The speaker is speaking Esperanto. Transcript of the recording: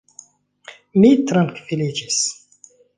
Mi trankviliĝis.